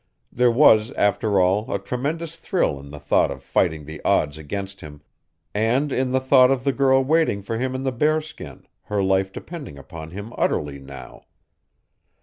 There was, after all, a tremendous thrill in the thought of fighting the odds against him, and in the thought of the girl waiting for him in the bearskin, her life depending upon him utterly now.